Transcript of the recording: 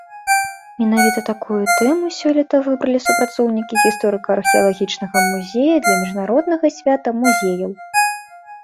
Менавіта такую тэму сёлета выбралі супрацоўнікі гісторыка-археалагічнага музея для міжнароднага свята музеяў.